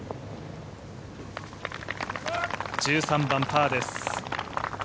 １３番パーです。